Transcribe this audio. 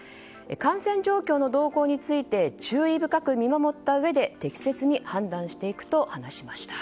感染状況の動向について注意深く見守ったうえで適切に判断していくと話しました。